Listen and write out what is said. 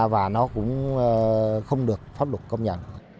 và nó cũng không được phát luật công nhận